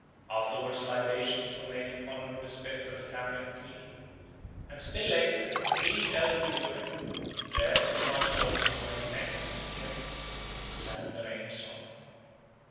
Afterwards libations were made in honour of the spirit of the tamarind tree; and still later three elderly women, dressed in fine clothes and wearing necklaces and earrings, sang the Rain Song.